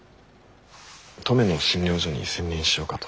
登米の診療所に専念しようかと。